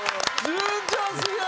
潤ちゃんすげえ！